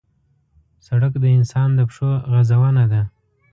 سړک د انسان د پښو غزونه ده.